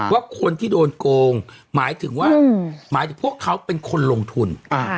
ว่าคนที่โดนโกงหมายถึงว่าหมายถึงพวกเขาเป็นคนลงทุน